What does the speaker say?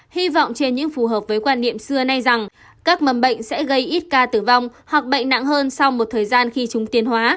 hy vọng trên những phù hợp với quan niệm xưa nay rằng các mầm bệnh sẽ gây ít ca tử vong hoặc bệnh nặng hơn sau một thời gian khi chúng tiến hóa